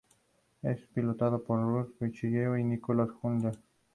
Es pilotado por Rubens Barrichello y Nico Hülkenberg.